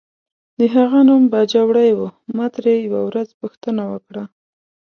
د هغه نوم باجوړی و، ما ترې یوه ورځ پوښتنه وکړه.